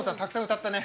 歌ったね